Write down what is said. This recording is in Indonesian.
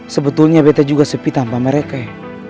sebetulnya bete juga sepi tanpa mereka